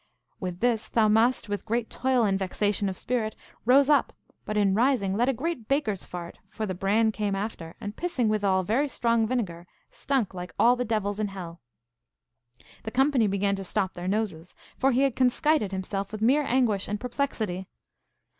With this Thaumast, with great toil and vexation of spirit, rose up, but in rising let a great baker's fart, for the bran came after, and pissing withal very strong vinegar, stunk like all the devils in hell. The company began to stop their noses; for he had conskited himself with mere anguish and perplexity.